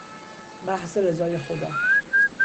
محض رضای خدا